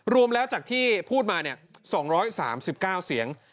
รวมแล้วจากที่พูดมา๒๓๙เสียง